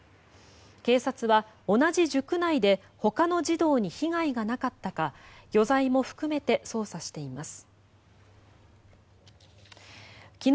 警察は、同じ塾内でほかの児童に被害がなかったか余罪も含めて捜査しています。